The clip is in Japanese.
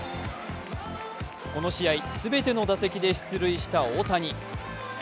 この試合、全ての打席で出塁した大谷。